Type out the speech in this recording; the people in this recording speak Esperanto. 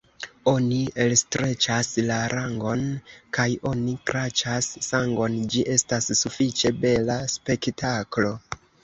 Oni elstreĉas la langon kaj oni kraĉas sangon; ĝi estas sufiĉe bela spektaklo.